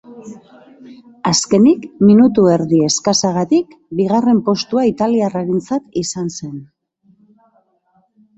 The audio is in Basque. Azkenik, minutu erdi eskasagatik, bigarren postua italiarrarentzat izan zen.